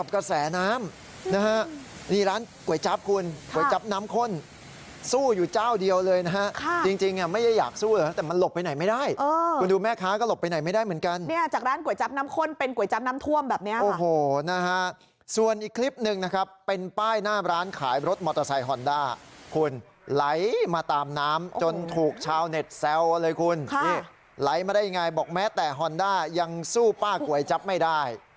มันไม่อยากสู้เลยนะแต่มันหลบไปไหนไม่ได้คุณดูแม่ค้าก็หลบไปไหนไม่ได้เหมือนกันเนี่ยจากร้านก๋วยจับน้ำข้นเป็นก๋วยจับน้ำท่วมแบบเนี้ยค่ะโอ้โหนะฮะส่วนอีกคลิปหนึ่งนะครับเป็นป้ายหน้าร้านขายรถมอเตอร์ไซค์ฮอนดาคุณไหลมาตามน้ำจนถูกชาวเน็ตแซวเลยคุณค่ะไหลมาได้ยังไงบอกแม้แต่ฮอนดายั